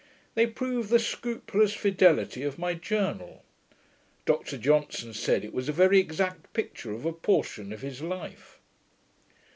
They prove the scrupulous fidelity of my Journal. Dr Johnson said it was a very exact picture of a portion of his life.